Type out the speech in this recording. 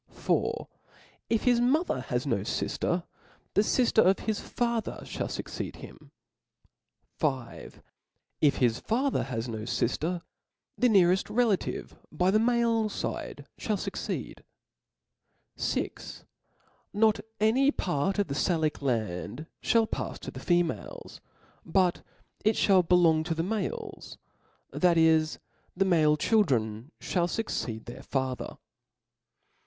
•'4. If his mother has no fifter, the fifter of his father (hall fucceed him^ $. If his father has no fifter, the neareft relation by the male fide (hall fueceed. 6. Not * any part of the Salic land *' (hall pa(a to the females ; but it fhall belong to *^ the males, that is, the male children ihall fuc «•^ ceed their father.